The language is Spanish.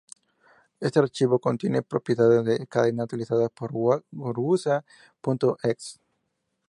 Este archivo contiene propiedades de cadena utilizadas por Wusa.exe.